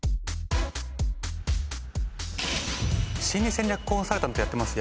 心理戦略コンサルタントやってます